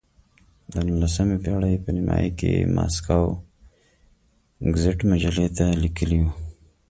د نولسمې پېړۍ په نیمایي کې یې ماسکو ګزیت مجلې ته لیکلي وو.